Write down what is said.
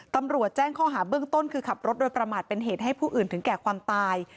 ตำรวจแจ้งข้อหาเบื้องต้นคือขับรถโดยประมาทเป็นเหตุให้ผู้อื่นถึงแก่ความตาย